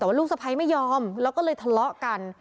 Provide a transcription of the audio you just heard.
แต่ว่าลูกสะพ้ายไม่ยอมแล้วก็เลยทะเลาะกัน